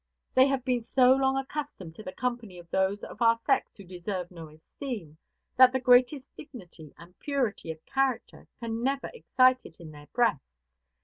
They have been so long accustomed to the company of those of our sex who deserve no esteem, that the greatest dignity and purity of character can never excite it in their breasts.